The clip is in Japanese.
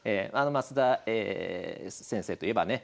升田先生といえばね